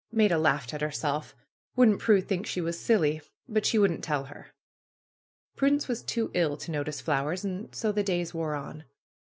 Maida laughed at herself. Wouldn't Prue think she was silly ! But she wouldn't tell her. . Prudence was too ill to notice flowers. And so the days wore on.